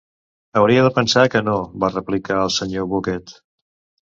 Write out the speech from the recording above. "Hauria de pensar que no", va replicar el senyor Bucket.